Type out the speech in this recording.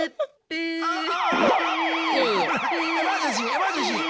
エマージェンシー！